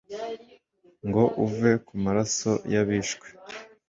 Ngo uve ku maraso y’abishwe